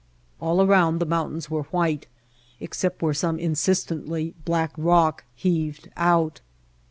All around the mountains were white except where some insistently black rock heaved out.